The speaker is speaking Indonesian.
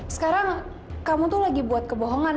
sekarang kamu tuh lagi buat kebohongan